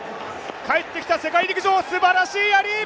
帰って来た世界陸上、すばらしいやり。